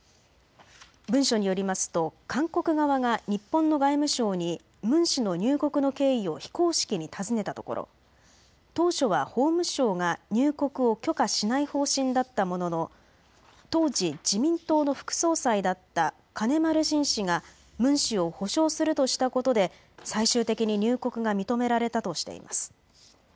文書によりますと韓国側が日本の外務省にムン氏の入国の経緯を非公式に尋ねたところ当初は法務省が入国を許可しない方針だったものの当時、自民党の副総裁だった金丸信氏がムン氏を保証するとしたことで最終的に入国が認められたとしています。